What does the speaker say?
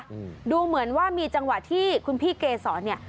อืมดูเหมือนว่ามีจังหวะที่คุณพี่เกศรเนี้ย